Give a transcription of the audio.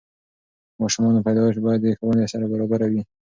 د ماشومانو پیدایش باید د ښوونې سره برابره وي.